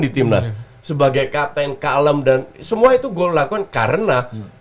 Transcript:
itu yang aku lakukan karena